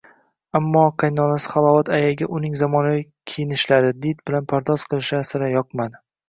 Ammo… Qaynonasi Halovat ayaga uning zamonaviy kiyinishlari, did bilan pardoz qilishlari sira yoqmadi